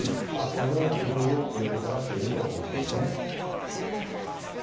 このような工夫を、いろいろ凝らしているということです。